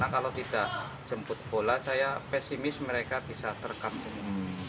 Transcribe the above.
kalau tidak jemput bola saya pesimis mereka bisa terekam semua